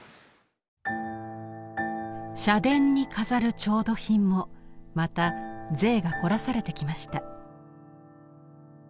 社殿に飾る調度品もまた贅が凝らされてきました。